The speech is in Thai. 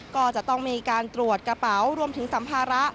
ก็จะต้องมีการตรวจกระเป๋ารวมถึงสัมภาระ